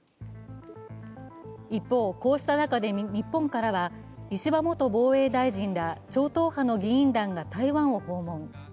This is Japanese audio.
一方、こうした中で日本からは石破元防衛大臣ら超党派の議員団が台湾を訪問。